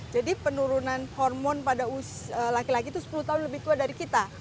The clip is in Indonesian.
jadi penurunan hormon pada laki laki itu sepuluh tahun lebih tua dari kita